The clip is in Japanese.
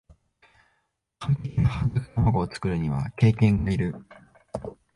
完璧な半熟たまごを作るには経験がいる